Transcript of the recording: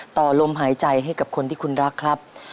ต่อลมหายใจให้กับคนที่คุณรักครับ